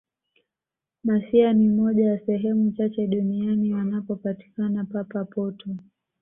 mafia ni moja ya sehemu chache duniani wanapopatikana papa potwe